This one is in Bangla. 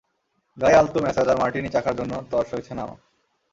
গায়ে আলতো ম্যাসাজ আর মার্টিনি চাখার জন্য তর সইছে না আমার!